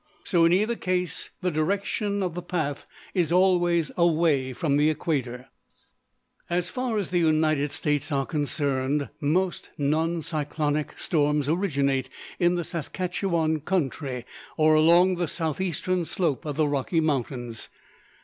So in either case, the direction of the path is always away from the equator. As far as the United States are concerned, most non cyclonic storms originate in the Saskatchewan country, or along the southeastern slope of the Rocky Mountains.